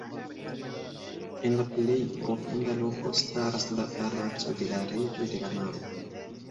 En la plej profunda loko staras la palaco de la reĝo de la maro.